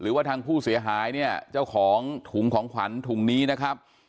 ว่าทางผู้เสียหายเนี่ยเจ้าของถุงของขวัญถุงนี้นะครับ